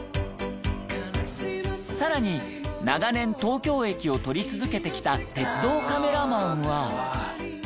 更に長年東京駅を撮り続けてきた鉄道カメラマンは。